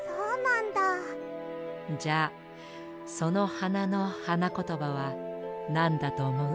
じゃあそのはなのはなことばはなんだとおもう？